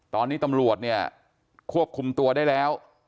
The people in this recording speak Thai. ตอนนี้ตำรวจเนี่ยควบคุมตัวได้แล้ว